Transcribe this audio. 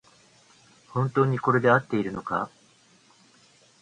本当にこれであっているのか